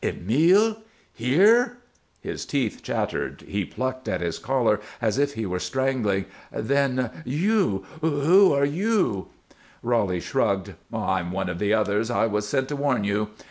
"Emile! Here!" His teeth chattered, he plucked at his collar as if he were strangling. "Then you? Who are you?" Roly shrugged. "I am one of the others. I was sent to warn you."